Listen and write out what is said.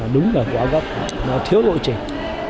đúng là quá gấp nó thiếu lộ trình